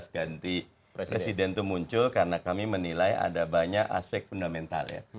ganti presiden itu muncul karena kami menilai ada banyak aspek fundamental ya